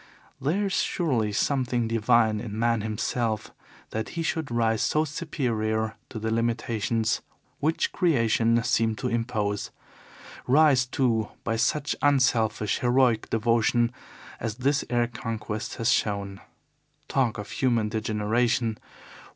There is surely something divine in man himself that he should rise so superior to the limitations which Creation seemed to impose rise, too, by such unselfish, heroic devotion as this air conquest has shown. Talk of human degeneration!